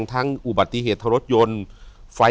อยู่ที่แม่ศรีวิรัยิลครับ